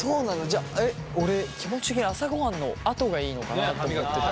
じゃ俺気持ち的に朝ごはんのあとがいいのかなと思ってたけど。